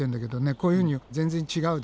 こういうふうに全然違うでしょ。